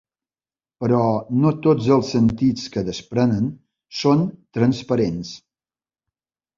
Però no tots els sentits que desprenen són transparents.